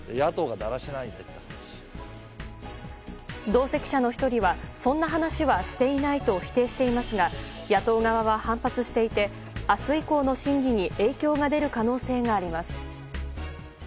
同席者の１人はそんな話はしていないと否定していますが野党側は反発していて明日以降の審議に影響が出る可能性があります。